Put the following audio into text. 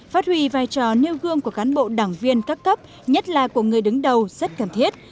phát huy vai trò nêu gương của cán bộ đảng viên các cấp nhất là của người đứng đầu rất cần thiết